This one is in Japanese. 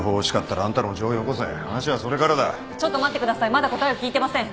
まだ答えを聞いてません。